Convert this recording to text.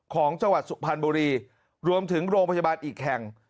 ของจังหวัดสุพรรณบุรีรวมถึงโรงพยาบาลอีกแห่ง